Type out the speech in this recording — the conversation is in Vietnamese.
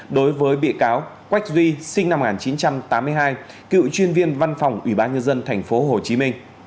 đối với bị cáo quách duy sinh năm một nghìn chín trăm tám mươi hai cựu chuyên viên văn phòng ủy ban nhân dân tp hcm